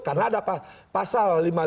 karena ada pasal lima puluh lima